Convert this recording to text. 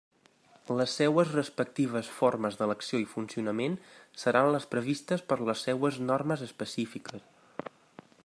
Les seues respectives formes d'elecció i funcionament seran les previstes per les seues normes específiques.